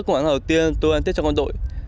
đầu tiên tôi ăn tết trong con đội